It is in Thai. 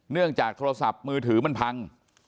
เนื่องจากโทรศัพท์มือถือมันพัง